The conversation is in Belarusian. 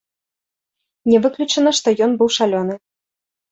Не выключана, што ён быў шалёны.